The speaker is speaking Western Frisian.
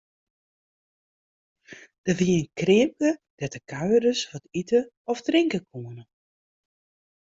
Der wie in kreamke dêr't de kuierders wat ite of drinke koene.